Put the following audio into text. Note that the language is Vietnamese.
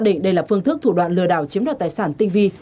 nên đây là phương thức thủ đoạn lừa đảo chiếm đoạt tài sản tinh vi